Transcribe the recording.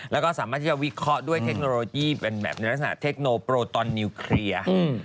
แล้วก็สามารถที่จะวิเคราะห์ด้วยเทคโนโลยีเป็นแบบในลักษณะเทคโนโปรตอนนิวเคลียร์